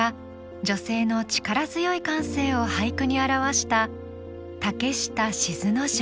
女性の力強い感性を俳句に表した竹下しづの女。